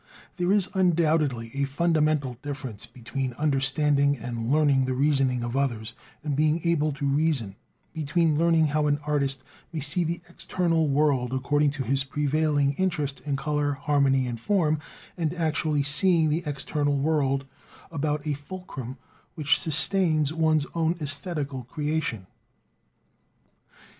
There is, undoubtedly, a fundamental difference between understanding and learning the reasoning of others, and being able "to reason," between learning how an artist may see the external world according to his prevailing interest in color, harmony, and form, and actually seeing the external world about a fulcrum which sustains one's own æsthetical creation.